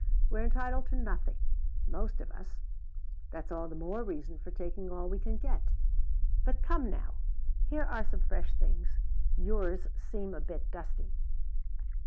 We're entitled to nothing most of us; that's all the more reason for taking all we can get. But come now! Here are some fresh things yours seem a bit dusty."